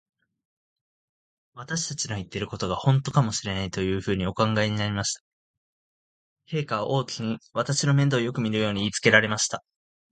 私たちの言ってることが、ほんとかもしれない、というふうにお考えになりました。陛下は王妃に、私の面倒をよくみるように言いつけられました。